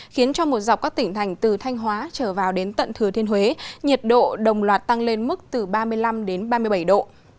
khiến cho một dọc các tỉnh thành từ thanh hóa trở vào đến tận thừa thiên huế nhiệt độ đồng loạt tăng lên mức từ ba mươi năm đến ba mươi bảy độ